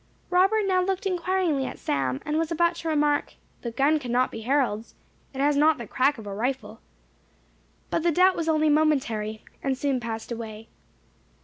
Robert now looked inquiringly at Sam, and was about to remark, "That gun cannot be Harold's it has not the crack of a rifle;" but the doubt was only momentary, and soon passed away.